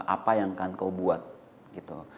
apa yang akan kau buat gitu